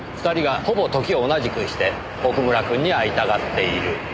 ２人がほぼ時を同じくして奥村くんに会いたがっている。